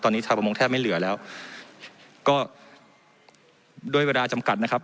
ตอนนี้ชาวประมงแทบไม่เหลือแล้วก็ด้วยเวลาจำกัดนะครับ